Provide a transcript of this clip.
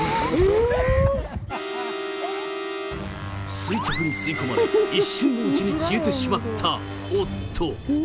垂直に吸い込まれ、一瞬のうちに消えてしまった夫。